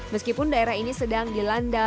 meskipun daerah ini sedang dilanda